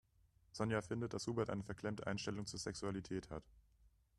Sonja findet, dass Hubert eine verklemmte Einstellung zur Sexualität hat.